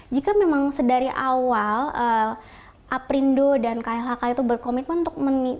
jika memang sedari awal aprindo dan klhk itu berkomitmen untuk meniadakan kantong plastik